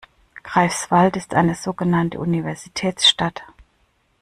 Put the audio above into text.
Greifswald ist eine sogenannte Universitätsstadt.